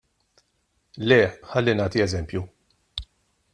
Le, ħalli nagħti eżempju.